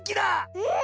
うん！